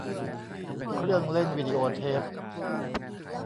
เครื่องเล่นวีดีโอเทป